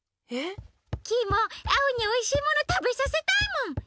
えっ？キイもアオにおいしいものたべさせたいもん。